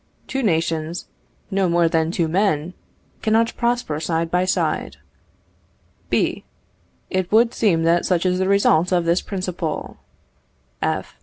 Two nations, no more than two men, cannot prosper side by side. B. It would seem that such is the result of this principle. F.